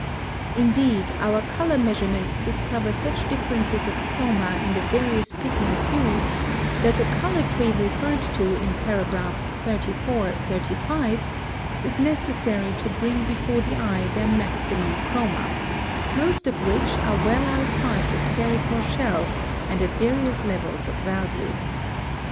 Indeed, our color measurements discover such differences of chroma in the various pigments used, that the color tree referred to in paragraphs 34, 35, is necessary to bring before the eye their maximum chromas, most of which are well outside the spherical shell and at various levels of value.